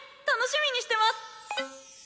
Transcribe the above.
楽しみにしてます！」。